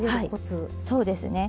はいそうですね。